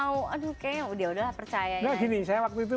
udah udahlah percaya ya gak gini saya waktu itu